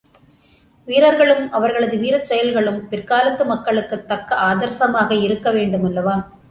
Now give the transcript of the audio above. வீரர்களும் அவர்களது வீரச் செயல்களும் பிற்காலத்து மக்களுக்குத் தக்க ஆதர்சமாக இருக்கவேண்டுமல்லவா?